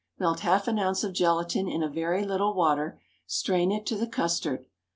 Melt half an ounce of gelatine in a very little water; strain it to the custard.